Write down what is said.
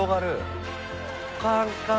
カンカン。